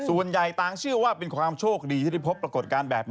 ส่วนใหญ่ต่างเชื่อว่าเป็นความโชคดีที่ได้พบปรากฏการณ์แบบนี้